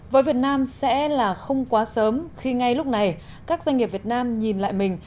với việt nam sẽ là không quá sớm khi ngay lúc này các doanh nghiệp việt nam nhìn lại mình